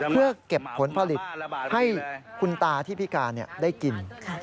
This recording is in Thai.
เพื่อเก็บผลผลิตให้คุณตาที่พิการได้กิน